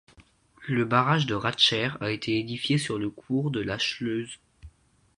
Le barrage de Ratscher a été édifié sur le cours de la Schleuse.